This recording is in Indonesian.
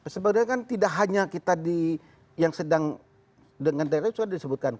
sebenarnya kan tidak hanya kita yang sedang dengan tw sudah disebutkan